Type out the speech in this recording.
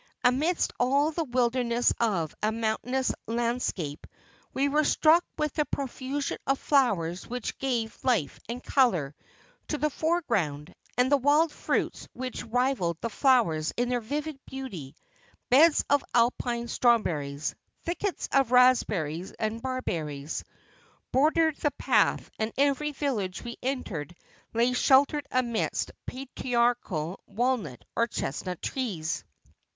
Amidst all the wildness of a mountainous land scape we were struck with the profusion of flowers which gave life and colour to the foreground, and the wild fruits which rivalled the flowers in their vivid beauty ; beds of Alpine straw berries, thickets of raspberries and barberries, bordered the path, and every village we entered lay sheltered amidst patri archal walnut or chestnut trees.